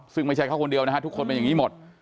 ซึ่งไม่ใช่เขาคนเดียวนะฮะทุกคนเป็นอย่างนี้หมด